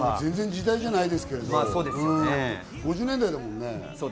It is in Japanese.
時代じゃないですけど、５０年代だもんね。